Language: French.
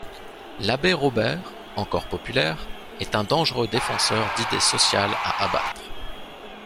L'abbé Robert, encore populaire, est un dangereux défenseur d'idées sociales à abattre.